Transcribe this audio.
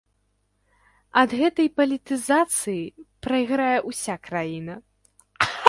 Ад гэтай палітызацыі прайграе ўся краіна.